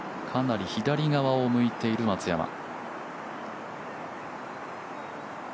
かなり左側を向いている松山。